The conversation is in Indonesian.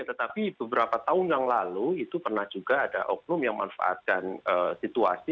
tetapi beberapa tahun yang lalu itu pernah juga ada oknum yang memanfaatkan situasi